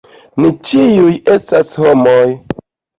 Ni ĉiuj estas homoj.